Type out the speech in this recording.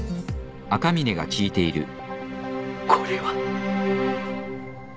これは。